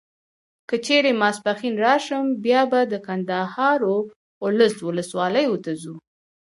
که چیري ماپښین راسم بیا به د کندهار و اولس ولسوالیو ته ځو.